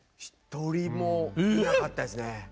１人もいなかったですね。